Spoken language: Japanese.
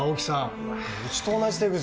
うちと同じ手口だよ。